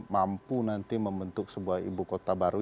mampu nanti membentuk sebuah ibu kota baru